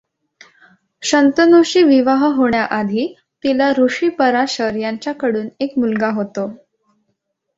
शंतनूशी विवाह होण्याआधी तिला ऋषी पराशर यांच्याकडून एक मुलगा होतो.